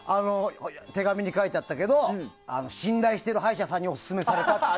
手紙に書いてあったけど信頼している歯医者さんにオススメされたって。